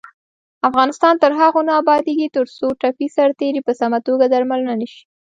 افغانستان تر هغو نه ابادیږي، ترڅو ټپي سرتیري په سمه توګه درملنه نشي.